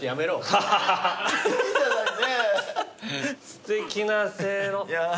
すてきなせいろ。